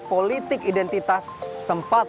politik identitas sempat